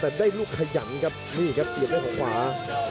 แต่ได้ลูกขยันครับนี่ครับเสียบด้วยเขาขวา